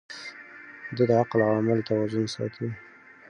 ده د عقل او عمل توازن ساته.